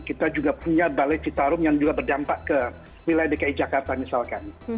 kita juga punya balai citarum yang juga berdampak ke wilayah dki jakarta misalkan